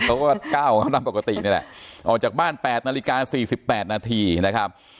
เขาก็ก้าวเข้ามาปกตินี่แหละออกจากบ้าน๘นาฬิกา๔๘นาทีนะครับ